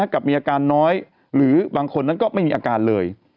กับมีอาการน้อยหรือบางคนนั้นก็ไม่มีอาการเลย